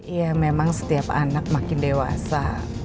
ya memang setiap anak makin dewasa